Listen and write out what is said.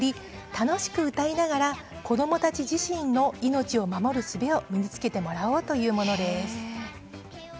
楽しく歌いながら子どもたち自身に命を守るすべを身につけてもらおうというものです。